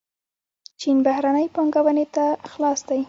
چین بهرنۍ پانګونې ته خلاص دی.